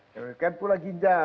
begitu pula ginjal